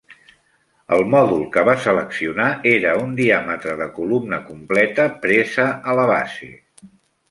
El mòdul que va seleccionar era un diàmetre de columna completa presa a la base.